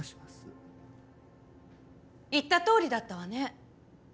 言ったとおりだったわね。